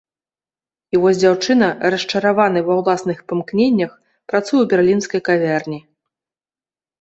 І вось дзяўчына, расчараваная ва ўласных памкненнях, працуе ў берлінскай кавярні.